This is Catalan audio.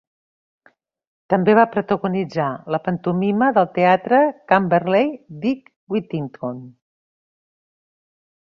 També va protagonitzar la pantomima del teatre Camberley "Dick Whittington".